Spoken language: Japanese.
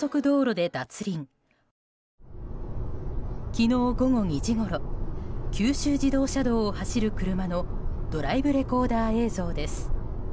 昨日午後２時ごろ九州自動車道を走る車のドライブレコーダー映像です。